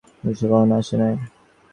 কিন্তু সে কখনও আসে নাই।